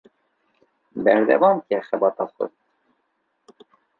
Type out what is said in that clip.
Berdewamke xebata xwe.